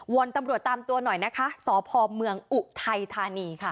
อนตำรวจตามตัวหน่อยนะคะสพเมืองอุทัยธานีค่ะ